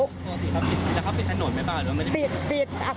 ถูกว่าสินะครับจะเข้าบิดถนนไหมพี่บ้าน